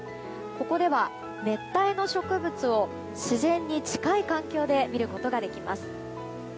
ここでは熱帯の植物を自然に近い環境で見ることができます。